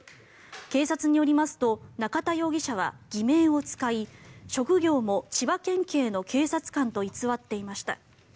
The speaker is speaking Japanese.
警察によりますと中田容疑者は偽名を使い、職業も千葉県警の警察官と偽っていました。